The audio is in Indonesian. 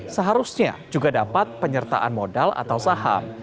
seharusnya juga dapat penyertaan modal atau saham